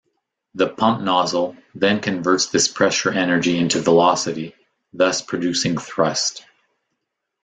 The pump nozzle then converts this pressure energy into velocity, thus producing thrust.